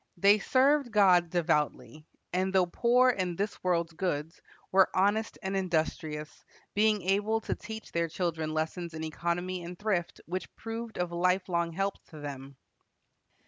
They served God devoutly, and though poor in this world's goods, were honest and industrious, being able to teach their children lessons in economy and thrift which proved of lifelong help to them.